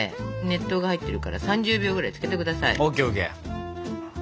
熱湯が入ってるから３０秒ぐらいつけて下さい。